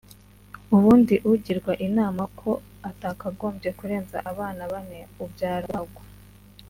ubundi ugirwa inama ko utakagobye kurenza abana bane ubyara ubagwa